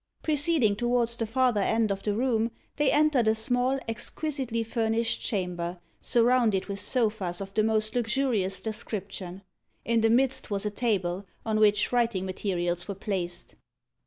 Proceeding towards the farther end of the room, they entered a small exquisitely furnished chamber, surrounded with sofas of the most luxurious description. In the midst was a table, on which writing materials were placed.